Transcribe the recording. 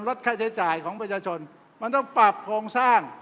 ลดค่าใช้จ่ายของประชาชนมันต้องปรับโครงสร้าง